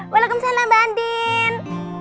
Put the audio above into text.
waalaikumsalam mbak andin